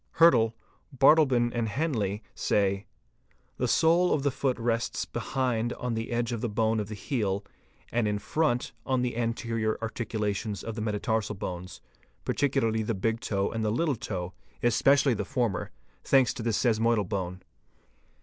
Hyrtl®®, Bardeleben®™, and Henle®®), say :—'"' The sole of the foot rests behind on the edge of the bone of the heel and in front on the anterior articulations of the metatarsal bones, particularly the big toe and little toe, especially the former, thanks to the sesamoidal bone."